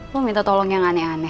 mau minta tolong yang aneh aneh